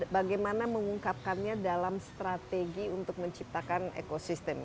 bagaimana mengungkapkannya dalam strategi untuk menciptakan ekosistem